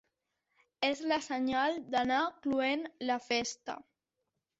És el senyal d'anar cloent la festa.